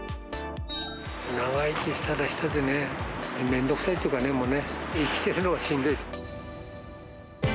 長生きしたらしたでね、めんどくさいっていうかね、もうね、生きてるのがしんどい。